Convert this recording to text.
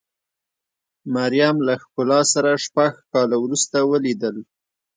مریم له ښکلا سره شپږ کاله وروسته ولیدل.